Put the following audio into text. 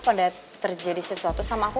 pada terjadi sesuatu sama aku